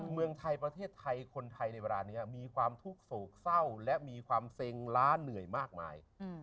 เมืองไทยประเทศไทยคนไทยในเวลานี้มีความทุกข์โศกเศร้าและมีความเซ็งล้าเหนื่อยมากมาย